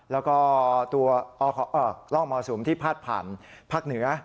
แล้วก็ตัวร่องมรสุมที่พาดผ่านภาคเหนือ